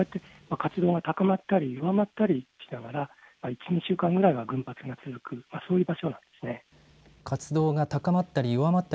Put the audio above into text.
活動が高まったり弱まったりしながら１週間ぐらいは群発が続くということですね。